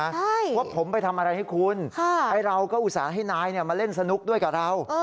ใช่ว่าผมไปทำอะไรให้คุณไอ้เราก็อุตส่าห์ให้นายมาเล่นสนุกด้วยกับเรา